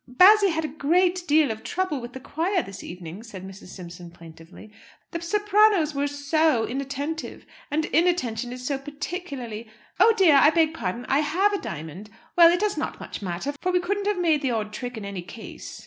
"Bassy had a great deal of trouble with the choir this evening," said Mrs. Simpson plaintively. "The sopranos were so inattentive! And inattention is so particularly oh dear, I beg pardon, I have a diamond! Well, it does not much matter, for we couldn't have made the odd trick in any case."